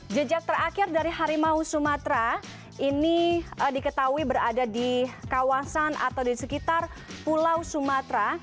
jejak terakhir dari harimau sumatera ini diketahui berada di kawasan atau di sekitar pulau sumatera